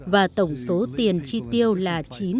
và tổng số tiền chi tiêu là